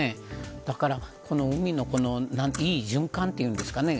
だからこの、海のいい循環と言うんですかね。